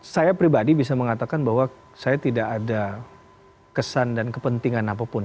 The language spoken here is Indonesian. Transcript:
saya pribadi bisa mengatakan bahwa saya tidak ada kesan dan kepentingan apapun